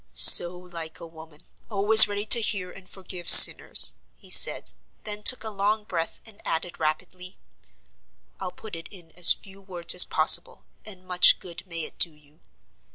"So like a woman, always ready to hear and forgive sinners," he said, then took a long breath, and added rapidly: "I'll put it in as few words as possible and much good may it do you.